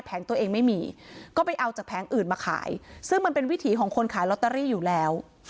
ตัวเองไม่มีก็ไปเอาจากแผงอื่นมาขายซึ่งมันเป็นวิถีของคนขายลอตเตอรี่อยู่แล้ว